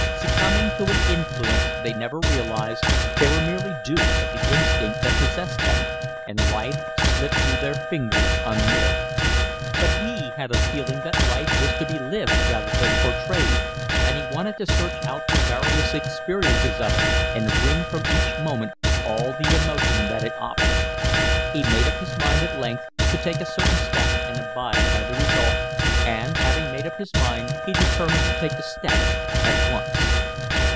Succumbing to an influence they never realised, they were merely dupes of the instinct that possessed them, and life slipped through their fingers unlived. But he had a feeling that life was to be lived rather than portrayed, and he wanted to search out the various experiences of it and wring from each moment all the emotion that it offered. He made up his mind at length to take a certain step and abide by the result, and, having made up his mind, he determined to take the step at once.